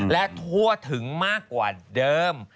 และทั่วถึงมากกว่าเดิม